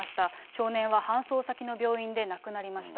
少年は搬送先の病院で亡くなりました。